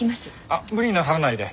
あっ無理なさらないで。